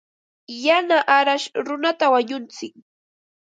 Yana arash runata wañutsin.